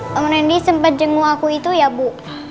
pak rendy sempat jenguk aku itu ya bu